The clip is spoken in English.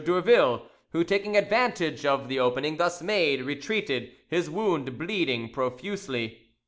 Dourville, who, taking advantage of the opening thus made, retreated, his wound bleeding profusely.